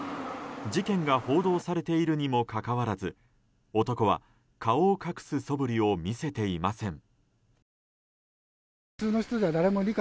事件が報道されているにもかかわらず男は顔を隠すそぶりを見せていません。